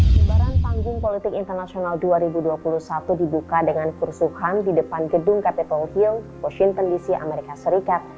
pembaran panggung politik internasional dua ribu dua puluh satu dibuka dengan kursuhan di depan gedung capitol hill washington dc amerika serikat